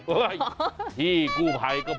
โอ้ยพี่กู้ไพก็พอ